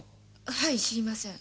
はい知りません。